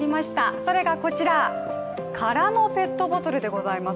それがこちら空のペットボトルでございます。